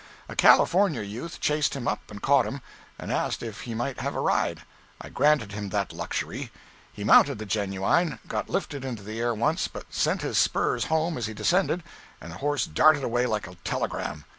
A California youth chased him up and caught him, and asked if he might have a ride. I granted him that luxury. He mounted the Genuine, got lifted into the air once, but sent his spurs home as he descended, and the horse darted away like a telegram.